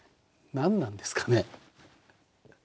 何なんですかね？